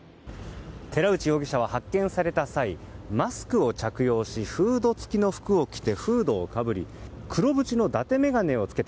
寺内容疑者は発見された際マスクを着用しフード付きの服を着てフードをかぶり黒縁のだて